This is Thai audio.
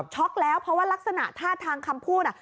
็อกแล้วเพราะว่ารักษณะท่าทางคำพูด